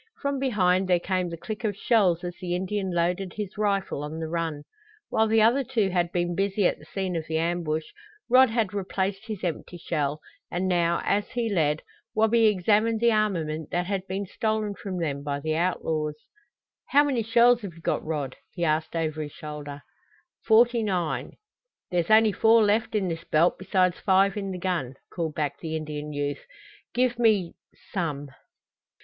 From behind there came the click of shells as the Indian loaded his rifle on the run. While the other two had been busy at the scene of the ambush Rod had replaced his empty shell, and now, as he led, Wabi examined the armament that had been stolen from them by the outlaws. "How many shells have you got, Rod?" he asked over his shoulder. "Forty nine." "There's only four left in this belt besides five in the gun," called back the Indian youth. "Give me some."